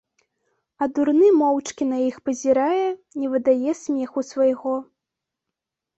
А дурны моўчкі на іх пазірае, не выдае смеху свайго.